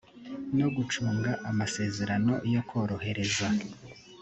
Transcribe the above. no gucunga amasezerano yo korohereza